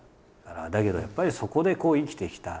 だけどやっぱりそこでこう生きてきた。